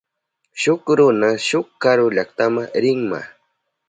Shuk runa shuk karu llaktama rinma.